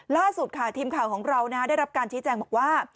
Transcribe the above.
ล่าสุดค่ะทีมข่าวของเราได้รับการชี้แจงบอกว่า